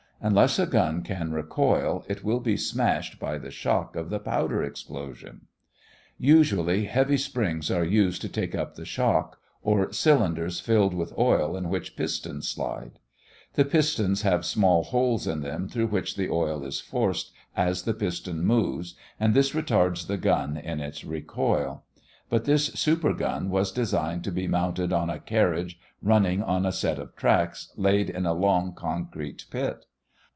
Unless a gun can recoil, it will be smashed by the shock of the powder explosion. Usually, heavy springs are used to take up the shock, or cylinders filled with oil in which pistons slide. The pistons have small holes in them through which the oil is forced as the piston moves and this retards the gun in its recoil. But this "super gun" was designed to be mounted on a carriage running on a set of tracks laid in a long concrete pit.